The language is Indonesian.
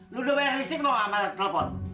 lu udah bayar nisrik mau gak bayar telepon